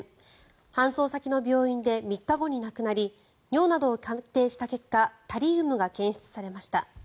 搬送先の病院で３日後に亡くなり尿などを鑑定した結果タリウムが検出されました。